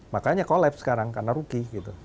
makanya kolab sekarang karena rugi